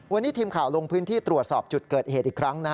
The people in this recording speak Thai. วันนี้ทีมข่าวลงพื้นที่ตรวจสอบจุดเกิดเหตุอีกครั้ง